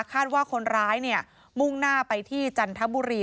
คาดว่าคนร้ายมุ่งหน้าไปที่จันทบุรี